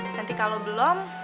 nanti kalo belum